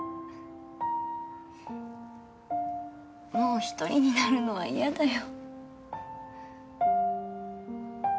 もう１人になるのは嫌だよ。